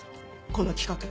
この企画。